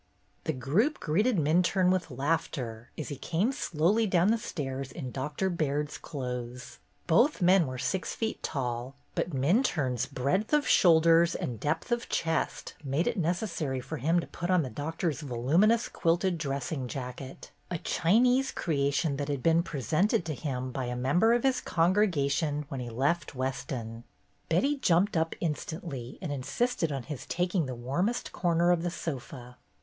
The group greeted Minturne with laughter, as he came slowly down the stairs in Doctor Baird's clothes. Both men were six feet tall, but Minturne's breadth of shoulders and depth of chest made it necessary for him to put 220 BETTY BAIRD'S GOLDEN YEAR on the Doctor's voluminous quilted dressing jacket, a Chinese creation that had been pre sented to him by a member of his congregation when he left Weston. Betty jumped up instantly and insisted on his taking the warmest corner of the sofa.